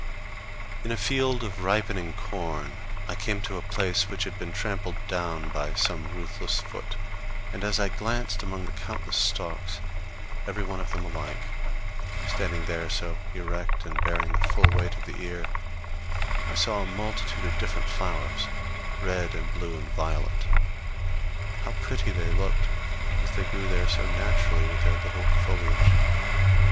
In a field of ripening corn I came to a place which had been trampled down by some ruthless foot; and as I glanced amongst the countless stalks, every one of them alike, standing there so erect and bearing the full weight of the ear, I saw a multitude of different flowers, red and blue and violet. How pretty they looked as they grew there so naturally with their little foliage!